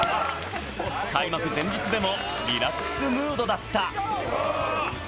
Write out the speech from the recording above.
開幕前日でもリラックスムードだった。